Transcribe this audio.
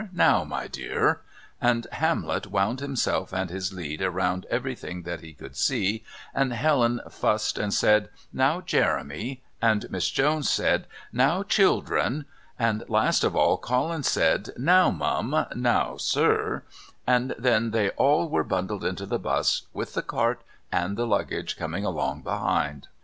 Now, my dear," and Hamlet wound himself and his lead round everything that he could see, and Helen fussed and said: "Now, Jeremy," and Miss Jones said: "Now, children," and last of all Collins said: "Now, mum; now, sir," and then they all were bundled into the bus, with the cart and the luggage coming along behind.